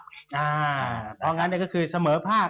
เพราะฉะนั้นนี่ก็คือเสมอภาพ